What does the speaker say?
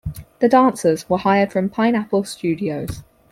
The dancers were hired from Pineapple Studios.